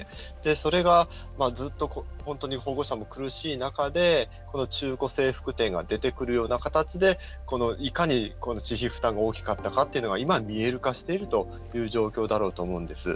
それが、ずっと本当に保護者も苦しい中でこの中古制服店が出てくるような形でいかに私費負担が大きかったかっていうのが今、見える化しているという状況だろうと思うんです。